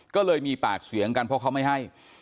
ก็เลยมีปากเสียงกันเพราะเขาไม่ให้